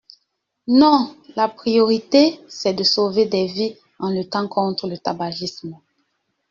Non, la priorité, c’est de sauver des vies en luttant contre le tabagisme.